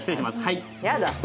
はい。